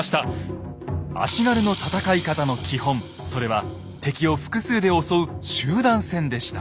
足軽の戦い方の基本それは敵を複数で襲う集団戦でした。